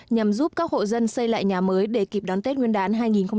nhằm giúp các hộ dân xây lại nhà mới để kịp đón tết nguyên đán hai nghìn hai mươi